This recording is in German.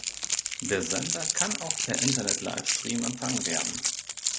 Der Sender kann auch per Internet-Livestream empfangen werden.